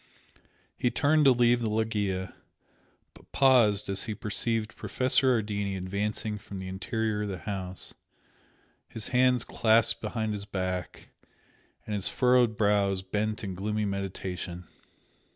He turned to leave the loggia, but paused as he perceived Professor Ardini advancing from the interior of the house, his hands clasped behind his back and his furrowed brows bent in gloomy meditation.